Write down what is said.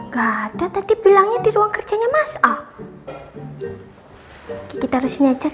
gini aja enggak